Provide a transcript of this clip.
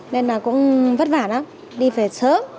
nên là cũng vất vả lắm đi phải sớm